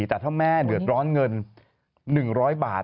แต่ถ้าแม่เดือดร้อนเงิน๑๐๐บาท